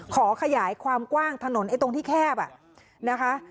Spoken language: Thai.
ขอขยายความกว้างถนนตรงที่แคบนะคะ